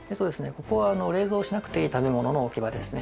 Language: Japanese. ここは冷蔵しなくていい食べ物の置き場ですね。